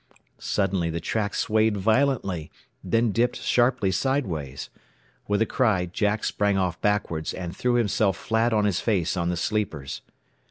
Suddenly the track swayed violently, then dipped sharply sideways. With a cry Jack sprang off backwards, and threw himself flat on his face on the sleepers.